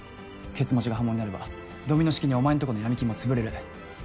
ケツ持ちが破門になればドミノ式にお前んとこの闇金も潰れる。